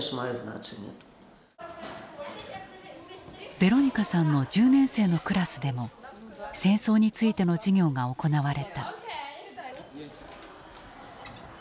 ヴェロニカさんの１０年生のクラスでも戦争についての授業が行われた。